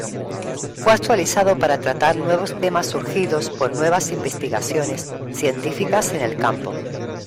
Fue actualizado para tratar nuevos temas surgidos por nuevas investigaciones científicas en el campo.